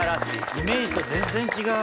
イメージと全然違う。